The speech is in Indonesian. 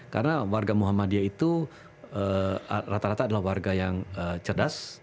karena warga muhammadiyah itu rata rata adalah warga yang cerdas